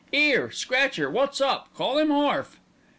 "'Ere! Scratcher, wot's up? Call 'im orf."